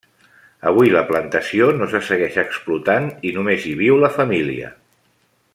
Avui la plantació no se segueix explotant i només hi viu la família.